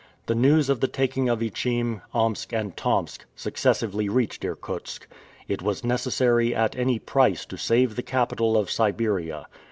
The news of the taking of Ichim, Omsk, and Tomsk, successively reached Irkutsk. It was necessary at any price to save the capital of Siberia.